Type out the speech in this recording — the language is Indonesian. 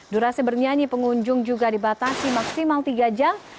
durasi bernyanyi pengunjung juga dibatasi maksimal tiga jam